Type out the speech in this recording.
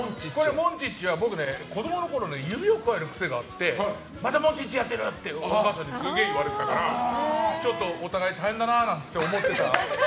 モンチッチは子供のころ指をくわえる癖があってまたモンチッチやってる！ってお母さんにすげえ言われてたからお互い、大変だなって思ってた。